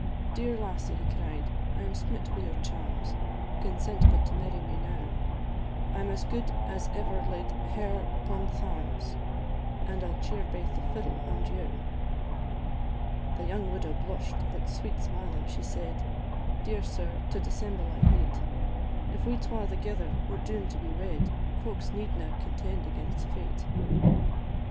"Dear lassie," he cried, "I am smit wi' your charms, Consent but to marry me now, I 'm as good as ever laid hair upon thairms, An' I 'll cheer baith the fiddle an' you." The young widow blush'd, but sweet smiling she said, "Dear sir, to dissemble I hate, If we twa thegither are doom'd to be wed, Folks needna contend against fate."